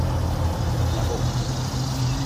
La vôtre.